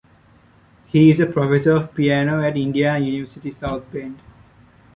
He is a professor of piano at Indiana University South Bend.